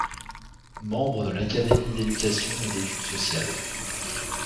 Membre de l’Académie d’éducation et d’études sociales.